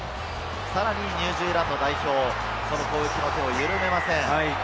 さらにニュージーランド代表、攻撃の手を緩めません。